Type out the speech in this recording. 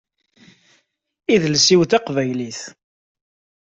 Idles-iw d taqbaylit.